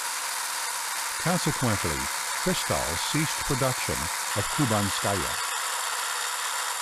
Consequently, Kristall ceased production of Kubanskaya.